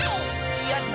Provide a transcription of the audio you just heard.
やった！